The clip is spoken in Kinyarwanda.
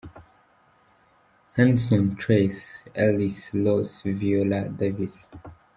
Henson Tracee Ellis Ross Viola Davis.